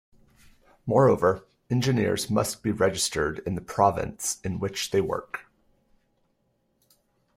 Moreover, engineers must be registered in the province in which they work.